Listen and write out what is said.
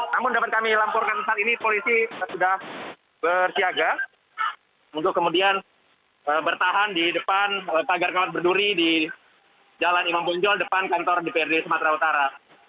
namun dapat kami lampurkan saat ini polisi sudah bersiaga untuk kemudian bertahan di depan pagar kawat berduri di jalan imam bonjol depan kantor dprd sumatera utara